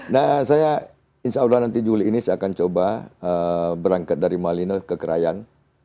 nah saya insya allah nanti juli ini saya akan coba berangkat dari malino ke krayan